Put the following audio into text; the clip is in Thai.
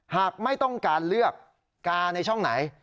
หากไม่ต้องการเลือกกาในช่องไหน